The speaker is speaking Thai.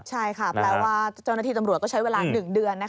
ใช่ค่ะแปลว่าเจ้าหน้าที่ตำรวจก็ใช้เวลา๑เดือน